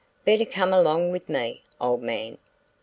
Better come along with me, old man."